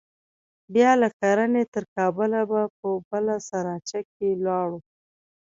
بيا له ښرنې تر کابله په بله سراچه کښې ولاړو.